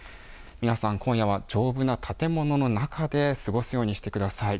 皆さん、今夜は丈夫な建物の中で過ごすようにしてください。